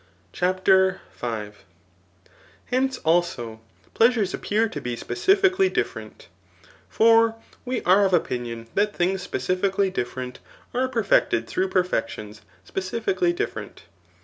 CHAPTER V. HiNCE, also, pleasures appear to be specifically diffe rent J for we are of opinion that things specifically diffe rent, are perfected through [perfections] specifically dif ferent.